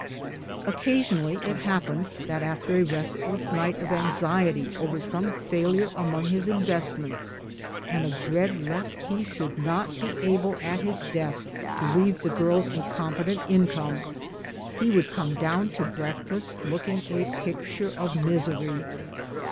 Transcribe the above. Occasionally it happened that, after a restless night of anxiety over some failure among his investments, and of dread lest he should not be able at his death to leave the girls a competent income, he would come down to breakfast looking a picture of misery.